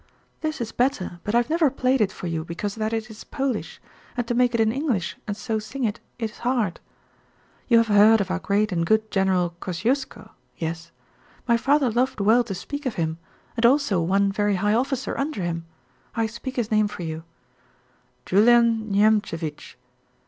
"This is better, but I have never played it for you because that it is Polish, and to make it in English and so sing it is hard. You have heard of our great and good general Kosciuszko, yes? My father loved well to speak of him and also of one very high officer under him, I speak his name for you, Julian Niemcewicz.